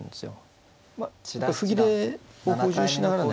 歩切れを補充しながらね。